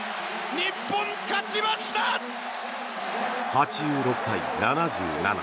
８６対７７。